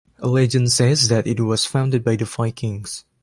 A legend says that it was founded by the Vikings.